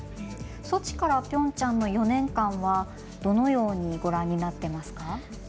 ソチからピョンチャンの４年間はどのようにご覧になってますか？